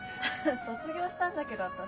卒業したんだけど私。